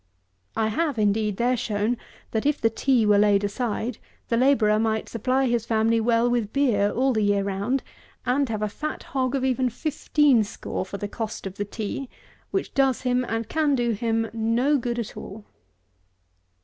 I have, indeed, there shown, that if the tea were laid aside, the labourer might supply his family well with beer all the year round, and have a fat hog of even fifteen score for the cost of the tea, which does him and can do him no good at all.